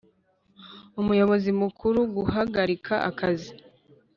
Umuyobozi mukuru guhagarika akazi